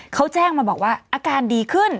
เขาแจ้งมาบอกว่าอาการดีขึ้น